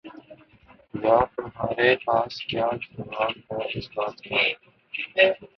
یار تمہارے پاس کیا جواب ہے اس بات کا